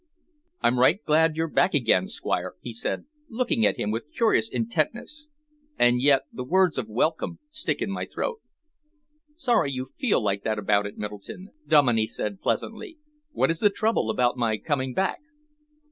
"I'm right glad you're back again, Squire," he said, looking at him with curious intentness, "and yet the words of welcome stick in my throat." "Sorry you feel like that about it, Middleton," Dominey said pleasantly. "What is the trouble about my coming back?"